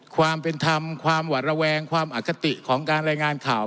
ความเป็นธรรมความหวัดระแวงความอคติของการรายงานข่าว